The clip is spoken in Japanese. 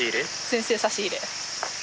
先生差し入れ。